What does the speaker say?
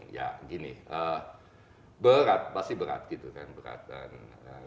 ya gini berat pasti berat gitu kan beratan